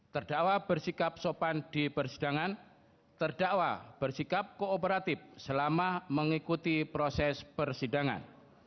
terdakwa bersikap sopan di persidangan terdakwa bersikap kooperatif selama mengikuti proses persidangan